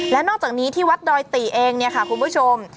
และนอกจากนี้ที่วัดดอยติเองเนี่ยค่ะคุณผู้ชม